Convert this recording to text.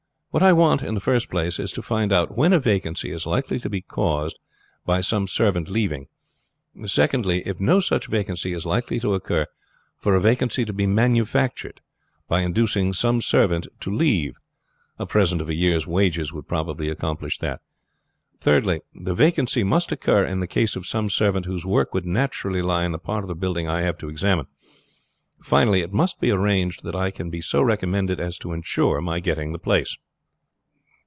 What I want, in the first place, is to find out when a vacancy is likely to be caused by some servant leaving; secondly, if no such vacancy is likely to occur, for a vacancy to be manufactured by inducing some servant to leave a present of a year's wages would probably accomplish that; thirdly, the vacancy must occur in the case of some servant whose work would naturally lie in the part of the building I have to examine; finally, it must be arranged that I can be so recommended as to insure my getting the place."